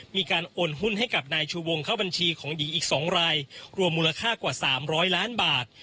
มีการโอนหุ้นให้กับนายชูวงเข้าบัญชีของหญิงอีก๒รายรวมมูลค่ากว่า๓๐๐ล้านบาท